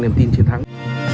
niềm tin chiến thắng